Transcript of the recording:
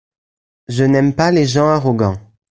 Je n'aime pas les gens arrogants.